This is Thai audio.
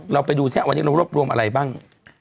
เราไปดูเท่าไหร่วันนี้เรารวบรวมอะไรบ้าง